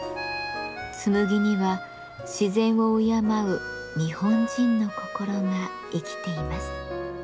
紬には自然を敬う日本人の心が生きています。